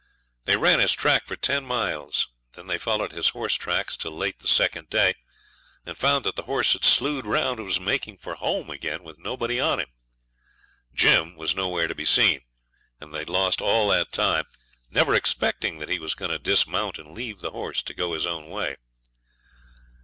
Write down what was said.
They ran his track for ten miles. Then they followed his horse tracks till late the second day, and found that the horse had slued round and was making for home again with nobody on him. Jim was nowhere to be seen, and they'd lost all that time, never expecting that he was going to dismount and leave the horse to go his own way.